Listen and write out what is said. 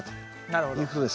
なるほど。